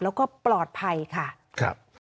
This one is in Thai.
แล้วก็ปลอดภัยค่ะครับ